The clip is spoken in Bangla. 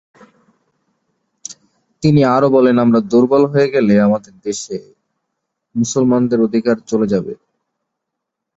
তিনি আরও বলেন, "আমরা দূর্বল হয়ে গেলে আমাদের দেশ মুসলমানদের অধিকারে চলে যাবে।"